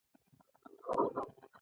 دا د چارواکو له مکاتیبو څخه عبارت دی.